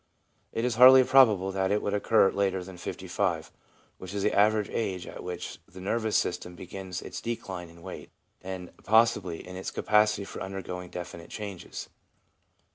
It is hardly probable that it would occur later than 55, which is the average age at which the nervous system begins its decline in weight, and possibly in its capacity for undergoing definite changes.